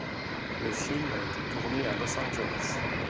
Le film a été tourné à Los Angeles.